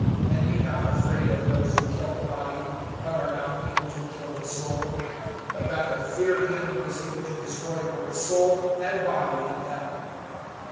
(28)And be not afraid of those who kill the body, but are not able to kill the soul; but rather fear him who is able to destroy both soul and body in hell.